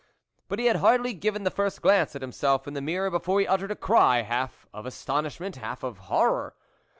But he had hardly given the first glance at himself in the mirror, before he uttered a cry, half of astonish ment, half of horror.